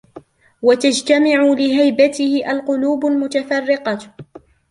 وَتَجْتَمِعُ لِهَيْبَتِهِ الْقُلُوبُ الْمُتَفَرِّقَةُ